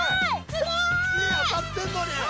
すごい！火当たってんのに！